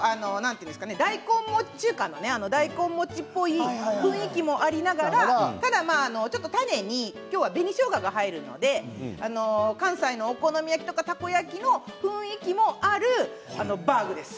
大根餅っぽい雰囲気もありながらタネに今日は紅しょうがが入るので関西のお好み焼きとかたこ焼きの雰囲気もあるバーグです。